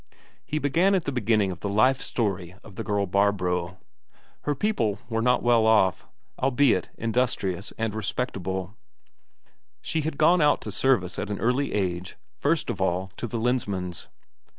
He began at the beginning of the life story of the girl Barbro. Her people were not well off, albeit industrious and respectable; she had gone out to service at an early age, first of all to the Lensmand's.